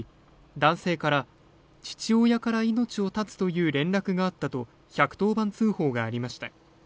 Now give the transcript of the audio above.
男性から父親から命を絶つという連絡があったと１１０番通報がありました